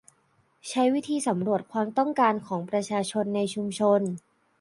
ใช้วิธีสำรวจความต้องการของประชาชนในชุมชน